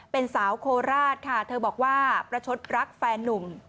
เป็นสาวโคราชค่ะเธอบอกว่าประชดรักแฟนนุ่ม